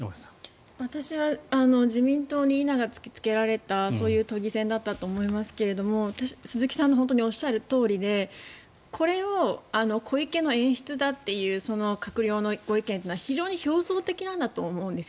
私は自民党に否が突きつけられたそういう都議選だったと思いますが鈴木さんのおっしゃるとおりでこれを小池の演出だという閣僚のご意見は表層的なんだと思います。